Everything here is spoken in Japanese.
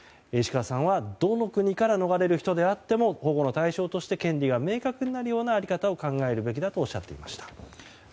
石川さんは、どの国から逃れる人であっても保護の対象として権利が明確になるような在り方を考えるべきだとおっしゃっていました。